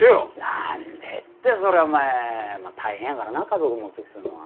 何でってそりゃお前大変やからな家族持つっつうのは。